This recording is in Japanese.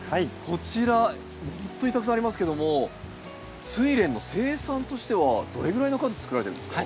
こちらほんとにたくさんありますけどもスイレンの生産としてはどれぐらいの数つくられているんですか？